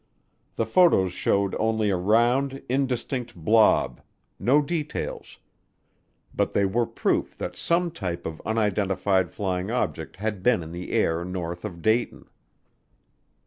The photos showed only a round, indistinct blob no details but they were proof that some type of unidentified flying object had been in the air north of Dayton.